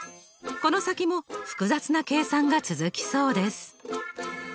この先も複雑な計算が続きそうです。